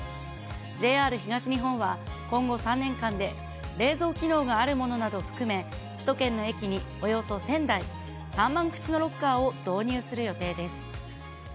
ＪＲ東日本は、今後３年間で、冷蔵機能があるものなど含め、首都圏の駅におよそ１０００台、３万口のロッカーを導入する予定です。